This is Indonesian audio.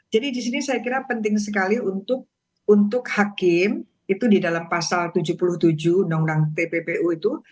jadi disini saya kira penting sekali untuk hakim itu di dalam pasal tujuh puluh tujuh nonggang tppu itu